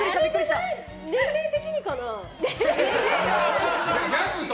年齢的にかな？